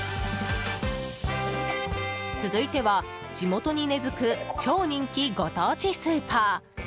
続いては、地元に根付く超人気ご当地スーパー。